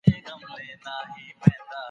عقل او دین د بشري تجربې بنسټیز عناصر دي.